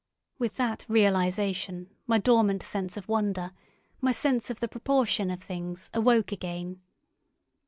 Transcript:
With that realisation my dormant sense of wonder, my sense of the proportion of things, awoke again.